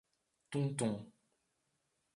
Tuntum